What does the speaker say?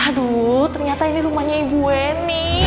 aduh ternyata ini rumahnya ibu weni